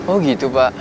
oh gitu pak